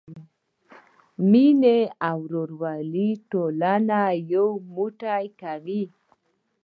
مینه او ورورولي ټولنه یو موټی کوي.